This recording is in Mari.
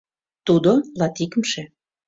Тудо — латикымше.